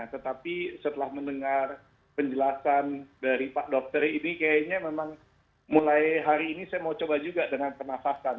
tetapi setelah mendengar penjelasan dari pak dokter ini kayaknya memang mulai hari ini saya mau coba juga dengan pernafasan